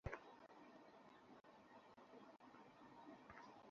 নিজে কিছু করে না, কিন্তু তিনুকে দিয়ে নানা রকম ভজকট বাধায়।